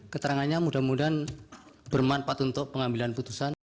keterangannya mudah mudahan bermanfaat untuk pengambilan putusan